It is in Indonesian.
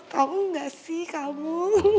tau nggak sih kamu